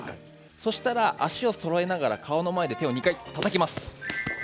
そしたら足をそろえながら手を２回たたきます。